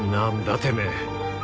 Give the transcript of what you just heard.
てめえ。